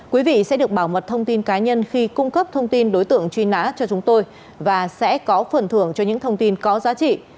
quý vị sẽ được bảo mật thông tin cá nhân khi cung cấp thông tin đối tượng truy nã cho chúng tôi và sẽ có phần thưởng cho những thông tin có giá trị